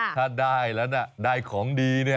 ถ้าได้แล้วนะได้ของดีเนี่ย